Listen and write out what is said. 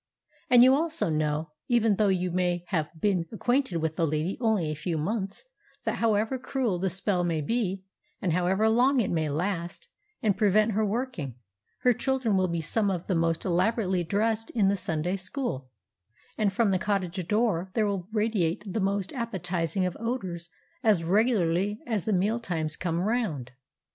And you also know, even though you may have been acquainted with the lady only a few months, that however cruel the spell may be, and however long it may last and prevent her working, her children will be some of the most elaborately dressed in the Sunday school, and from the cottage door there will radiate the most appetising of odours as regularly as the mealtimes come round.